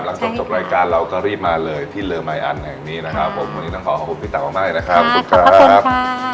หลังจบรายการเราก็รีบมาเลยที่เรือมายอันแห่งนี้นะครับผมขอขอบคุณตัวมากนะครับขอบคุณครับ